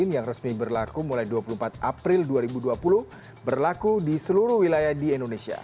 yang resmi berlaku mulai dua puluh empat april dua ribu dua puluh berlaku di seluruh wilayah di indonesia